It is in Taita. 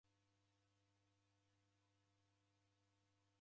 Mkonu ghwa kiw'omi